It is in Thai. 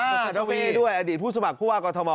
อ่าดรเอ๊ด้วยอดีตผู้สมัครผู้ว่ากอทม